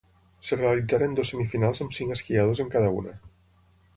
Es realitzaren dues semifinals amb cinc esquiadores en cada una.